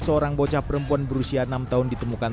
seorang bocah perempuan berusia enam tahun ditemukan